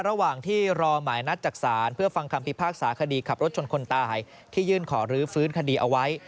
และที่รอแม่นัดจักษานเพื่อฟังคำพิพากษาคดีขับรถชนคนตายพยื่นขอลื้อฟื้นคดีเอาไว้